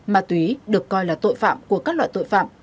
ma túy được coi là tội phạm của các loại tội phạm